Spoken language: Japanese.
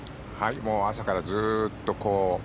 朝からずっとこう。